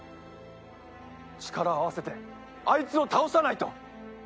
力を合わせてあいつを倒さないと！